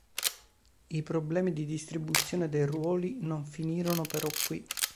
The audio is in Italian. I problemi di distribuzione dei ruoli non finirono però qui.